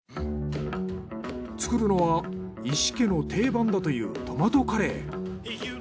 作るのは伊師家の定番だというトマトカレー。